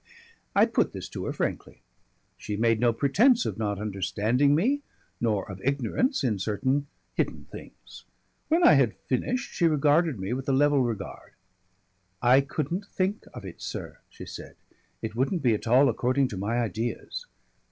I put this to her frankly. She made no pretence of not understanding me nor of ignorance of certain hidden things. When I had finished she regarded me with a level regard. "I couldn't think of it, sir," she said. "It wouldn't be at all according to my ideas."